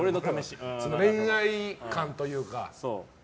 恋愛観というか。